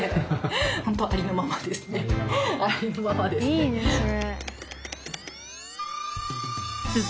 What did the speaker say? いいねそれ。